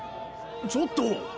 ちょっとぉ！